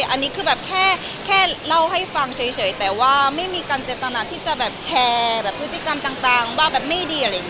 อันนี้คือแบบแค่เล่าให้ฟังเฉยแต่ว่าไม่มีการเจตนาที่จะแบบแชร์แบบพฤติกรรมต่างว่าแบบไม่ดีอะไรอย่างนี้